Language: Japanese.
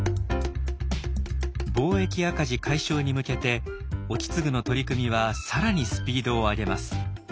貿易赤字解消に向けて意次の取り組みは更にスピードを上げます。